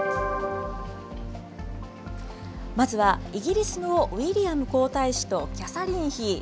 まずは、イギリスのウィリアム皇太子とキャサリン妃。